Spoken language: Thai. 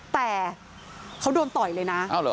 แต่เขาโดนต่อยเลยนะ